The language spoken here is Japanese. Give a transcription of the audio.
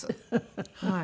はい。